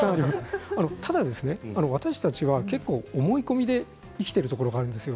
ただ私たちは結構、思い込みで生きているところがあるんですよ。